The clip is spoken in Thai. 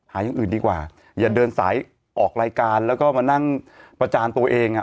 อย่างอื่นดีกว่าอย่าเดินสายออกรายการแล้วก็มานั่งประจานตัวเองอ่ะ